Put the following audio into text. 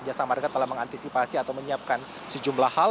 jasa marga telah mengantisipasi atau menyiapkan sejumlah hal